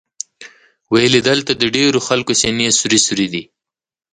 ویل یې دلته د ډېرو خلکو سینې سوري سوري دي.